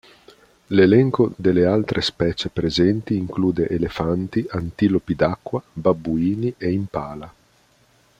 L'elenco delle altre specie presenti include elefanti, antilopi d'acqua, babbuini e impala.